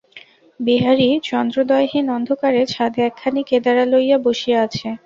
বিহারী চন্দ্রোদয়হীন অন্ধকারে ছাদে একখানি কেদারা লইয়া বসিয়া আছে।